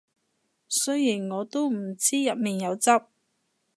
雖然我都唔知入面有汁